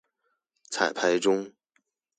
彩排中